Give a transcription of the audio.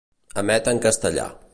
Emet en castellà.